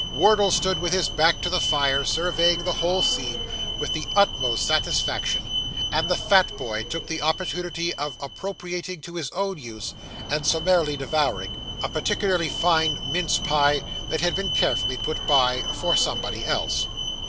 Wardle stood with his back to the fire, surveying the whole scene, with the utmost satisfaction; and the fat boy took the opportunity of appropriating to his own use, and summarily devouring, a particularly fine mince pie, that had been carefully put by, for somebody else.